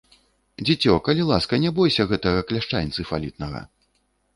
Дзіцё, калі ласка, ня бойся гэтага кляшча энцыфалітнага.